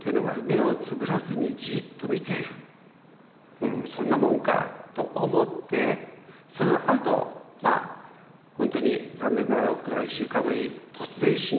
ふんそんなもんかぁと思ってそのあとまあ本当に残念ながらおふくろが１週間後に突然死んじゃったんだけど。